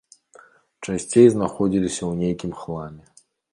Часцей знаходзіліся ў нейкім хламе.